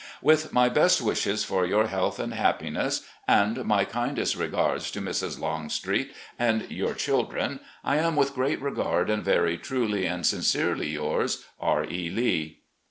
With my best wishes for your health and happpiness, and my kindest regards to Mrs. Longstreet and your children, I am, with great regard, and very truly and sincerely yours, "R. E. Lee."